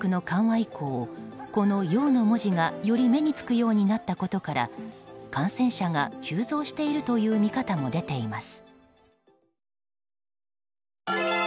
以降この「羊」の文字がより目につくようになったことから感染者が急増しているとの見方も出ています。